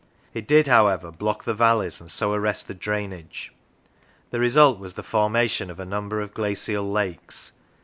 It did, however, block the valleys, and so arrest the drainage. The result was the forma tion of a number of glacial lakes.